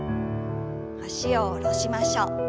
脚を下ろしましょう。